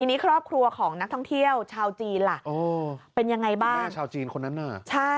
อันนี้ครอบครัวของนักท่องเที่ยวชาวจีนละ